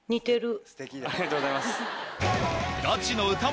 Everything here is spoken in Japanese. ありがとうございます。